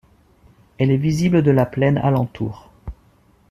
Elle est visible de la plaine alentour.